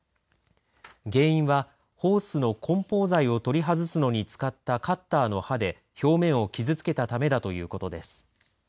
原因はホースの梱包材を取り外すのに使ったカッターの刃で表面を傷つけたためだということです。